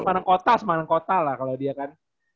mana kota semarang kota lah kalau dia kan